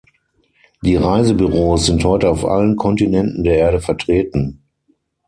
Die Reisebüros sind heute auf allen Kontinenten der Erde vertreten.